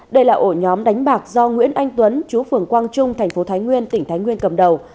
đây là ổ nhóm đánh bạc do nguyễn anh tuấn chú phường quang trung thành phố thái nguyên tỉnh thái nguyên cầm đầu